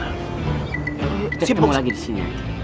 kita ketemu lagi disini